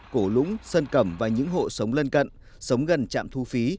cổ lũng sân cầm và những hộ sống lân cận sống gần trạm thu phí